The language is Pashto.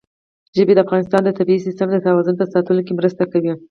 ژبې د افغانستان د طبعي سیسټم د توازن په ساتلو کې مرسته کوي.